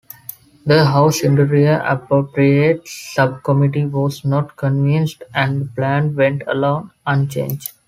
The House Interior Appropriates Subcommittee was not convinced, and the plan went along unchanged.